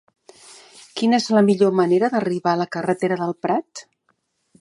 Quina és la millor manera d'arribar a la carretera del Prat?